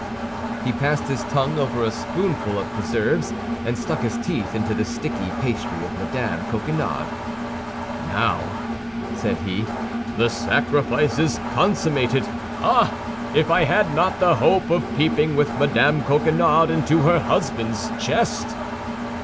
He passed his tongue over a spoonful of preserves, and stuck his teeth into the sticky pastry of Mme. Coquenard. "Now," said he, "the sacrifice is consummated! Ah! if I had not the hope of peeping with Madame Coquenard into her husband's chest!"